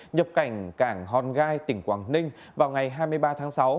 nhập cảnh cảng hongkai tỉnh quảng ninh vào ngày hai mươi ba tháng sáu